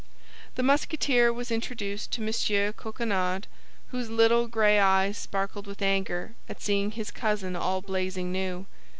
The Musketeer was introduced to M. Coquenard, whose little gray eyes sparkled with anger at seeing his cousin all blazing new.